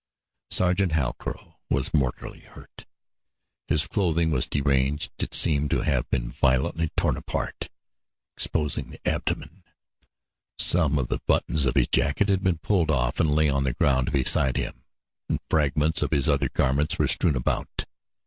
Sergeant Halcrow was mortally hurt. His clothing was deranged; it seemed to have been violently torn apart, exposing the abdomen. Some of the buttons of his jacket had been pulled off and lay on the ground beside him and fragments of his other garments were strewn about.